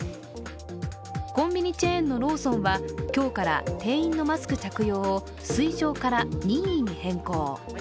コンビニチェーンのローソンは今日から店員のマスク着用を推奨から任意に変更。